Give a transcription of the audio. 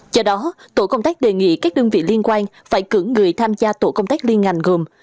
do đó tổ công tác đề nghị các đơn vị liên quan phải cử người tham gia tổ công tác liên ngành gồm